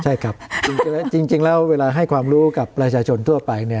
ใช่ครับจริงแล้วเวลาให้ความรู้กับประชาชนทั่วไป